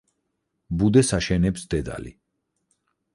ბუდეს აშენებს დედალი.